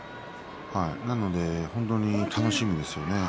なので本当に楽しみですよね。